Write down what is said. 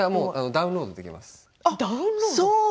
ダウンロードできます。